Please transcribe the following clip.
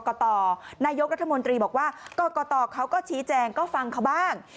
นายกรัฐมนตรีบอกว่ากรกตเขาก็ชี้แจงก็ฟังเขาบ้าง